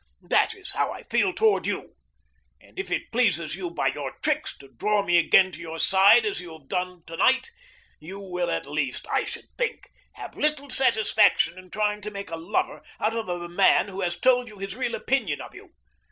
That is how I feel toward you, and if it pleases you by your tricks to draw me again to your side as you have done to night, you will at least, I should think, have little satisfaction in trying to make a lover out of a man who has told you his real opinion of you.